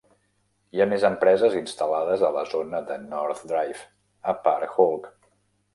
Hi ha més empreses instal·lades a la zona de North Drive, a Park Hall.